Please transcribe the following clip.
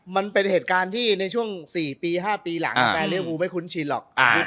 มันเป็นเหตุการณ์ที่ในช่วง๔ปี๕ปีหลังแฟนเลี้ยวูไม่คุ้นชินหรอก